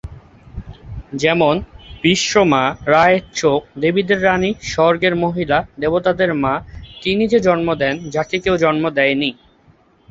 যেমনঃ বিশ্ব মা, রা এর চোখ, দেবীদের রাণী, স্বর্গের মহিলা, দেবতাদের মা, তিনি যে জন্ম দেন, যাকে কেউ জন্ম দেয়নি।